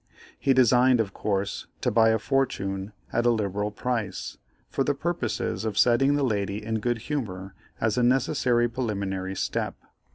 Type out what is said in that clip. He designed, of course, to buy a "fortune" at a liberal price, for the purpose of setting the lady in good humor as a necessary preliminary step.